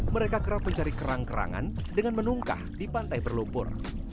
mereka kerap mencari kerang kerangan dengan menungkah di pantai berlumpur